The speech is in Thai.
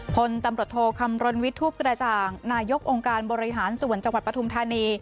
พลตำรวจโทคำรณวิทูปกระจ่างนายกองค์การบริหารส่วนจังหวัดปฐุมธานี